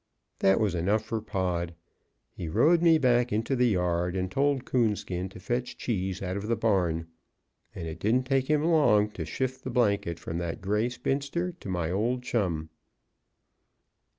That was enough for Pod. He rode me back into the yard, and told Coonskin to fetch Cheese out of the barn. And it didn't take him long to shift the blanket from that gray spinster to my old chum.